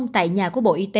tại nhà của bộ y tế